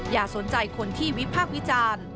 อย่าสนใจคนที่วิพากษ์วิจารณ์